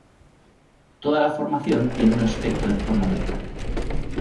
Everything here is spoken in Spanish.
Toda la formación tiene un aspecto en forma de pera.